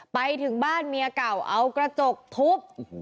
ไปถึงบ้านเมียเก่าเอากระจกทุบ